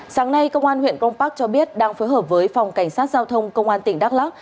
sáng nay cơ quan huyện công park cho biết đang phối hợp với phòng cảnh sát giao thông công an tỉnh đắk lắc